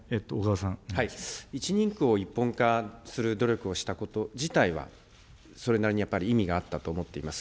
１人区を一本化する努力をしたこと自体は、それなりにやっぱり意味があったと思っています。